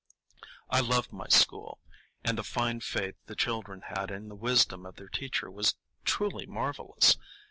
I loved my school, and the fine faith the children had in the wisdom of their teacher was truly marvellous.